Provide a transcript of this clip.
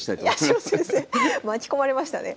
巻き込まれましたね。